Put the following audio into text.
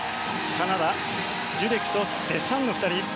カナダデュデクとデシャンの２人。